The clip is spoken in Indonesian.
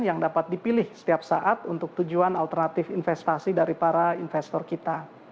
yang dapat dipilih setiap saat untuk tujuan alternatif investasi dari para investor kita